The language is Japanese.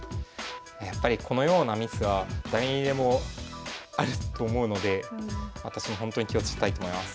やっぱりこのようなミスは誰にでもあると思うので私もほんとに気をつけたいと思います。